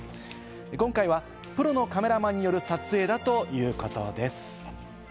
今回はプロのカメラマンによる撮影だということです。